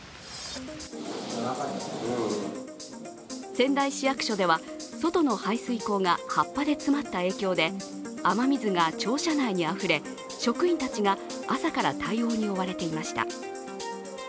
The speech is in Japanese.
仙台市役所では、外の排水溝が葉っぱで詰まった影響で雨水が庁舎内にあふれ、職員たちが朝から対応に追われていました。